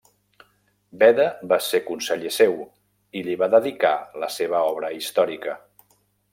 Beda va ser conseller seu i li va dedicar la seva obra històrica.